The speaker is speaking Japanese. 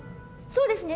そうですね。